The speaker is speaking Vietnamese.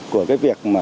của cái việc mà